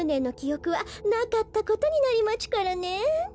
おくはなかったことになりまちゅからね。